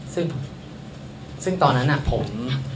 ซึ่งซึ่งตอนนั้นผม